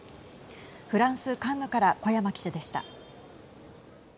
フランス、カンヌから古山記者でした。